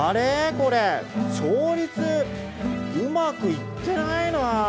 これ調律うまくいっていないな。